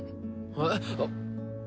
えっ。